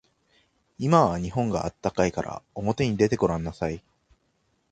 今は日本が暖かいからおもてに出てごらんなさい。